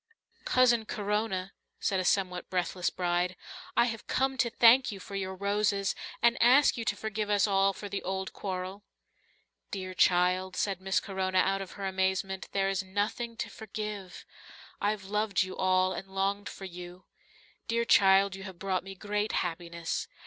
"Cousin Corona," said a somewhat breathless bride, "I have come to thank you for your roses and ask you to forgive us all for the old quarrel." "Dear child," said Miss Corona out of her amazement, "there is nothing to forgive. I've loved you all and longed for you. Dear child, you have brought me great happiness."